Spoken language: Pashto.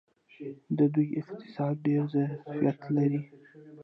د دوی اقتصاد ډیر ظرفیت لري.